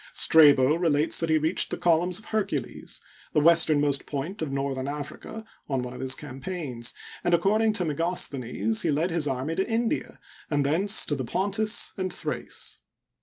Strabo relates that he reached the Col umns of Hercules (the westernmost point of northern Africa) on one of his campaigns, and, according to Megos thenes, he led his army to India and thence to the Pontus and Thrace.